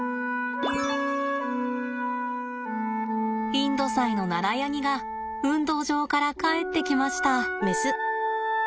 インドサイのナラヤニが運動場から帰ってきました。